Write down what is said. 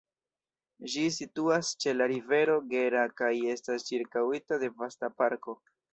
Ĝi situas ĉe la rivero Gera kaj estas ĉirkaŭita de vasta parko.